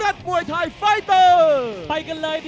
สวัสดีครับ